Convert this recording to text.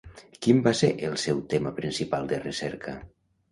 Quin va ser el seu tema principal de recerca?